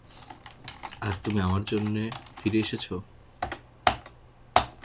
আর তুমি আমার জন্য ফিরে এসেছ।